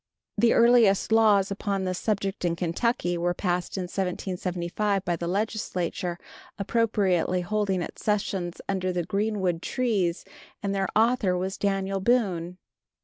The earliest laws upon this subject in Kentucky were passed in 1775 by the Legislature, appropriately holding its sessions under the greenwood trees, and their author was Daniel Boone.